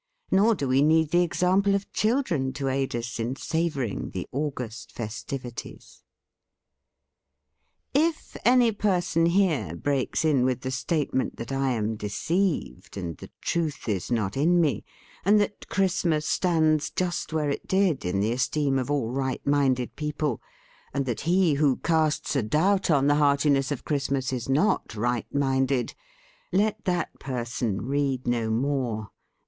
Nor do we need the example of children to aid us in savouring the August "festivi ties." « 4: * 3K If any person here breaks in with the statement that I am deceived and the truth is not in me, and that Christ mas stands just where it did in the esteem of all right minded people, and that he who casts a doubt on the hearti ness of Christmas is not right minded, let that person read no more.